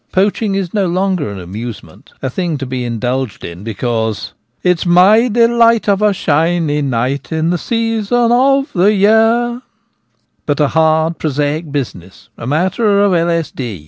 Poaching; is no longer an amusement, a thing to be indulged in because It's my delight of a shiny night In the season of the year ; but a hard, prosaic business, a matter of £ s. d.